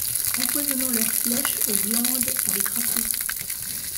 Empoisonnant leur flèche aux glandes dés crapauds !